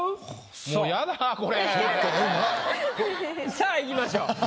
さあいきましょう。